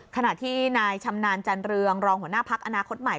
ขณะที่นายชำนาญจันเรืองรองหัวหน้าพักอนาคตใหม่